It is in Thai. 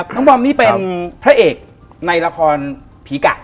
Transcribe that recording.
บอมนี่เป็นพระเอกในละครผีกะ